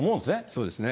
そうですね。